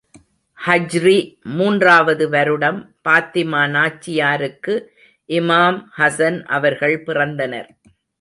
ஹிஜ்ரி மூன்றாவது வருடம், பாத்திமா நாச்சியாருக்கு இமாம் ஹஸன் அவர்கள் பிறந்தனர்.